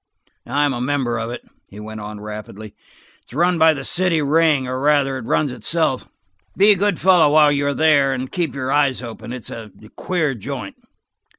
"I'm a member of it," he went on rapidly. "It's run by the city ring, or rather it runs itself. Be a good fellow while you're there, and keep your eyes open. It's a queer joint."